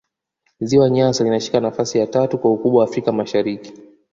ziwa nyasa linashika nafasi ya tatu kwa ukubwa afrika mashariki